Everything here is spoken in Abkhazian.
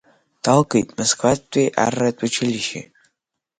Далгеит Москватәи арратә училишьче.